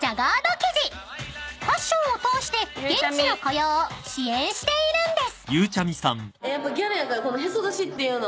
［ファッションを通して現地の雇用を支援しているんです］